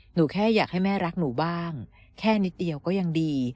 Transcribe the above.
แค่อยากให้แม่รักหนูบ้างแค่นิดเดียวก็ยังดี